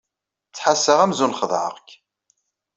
Ttḥassaɣ amzun xedɛeɣ-k.